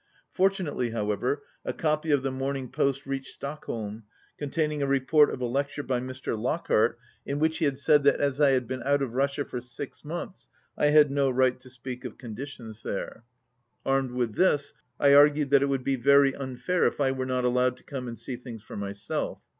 Fortunately, however, a copy of the Morning Fast reached Stockholm, containing a report of a lecture by Mr. Lockhart in which he had said that as I had been out of Russia for six months I had no right to speak of conditions there. 1 Armed with this I argued that it would be very unfair if I were not allowed to come and see things for myself.